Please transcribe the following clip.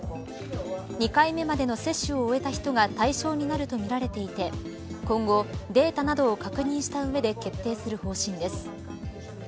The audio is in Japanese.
２回目までの接種を終えた人が対象になるとみられていて今後、データなどを確認した上で決定する方針です。